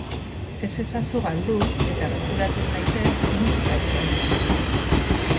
Ez ezazu galdu, eta gerturatu zaitez musikarik onena entzutera.